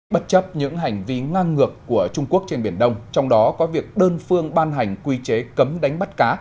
bất chấp những hành vi ngang ngược của trung quốc trên biển đông trong đó có việc đơn phương ban hành quy chế cấm đánh bắt cá